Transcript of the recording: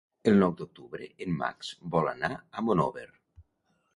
El nou d'octubre en Max vol anar a Monòver.